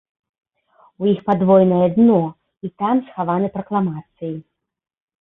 У іх падвойнае дно, і там схаваны пракламацыі.